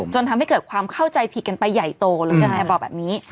จนทำให้เกิดความเข้าใจผิดกันไปใหญ่โตหรือยังไงบอกแบบนี้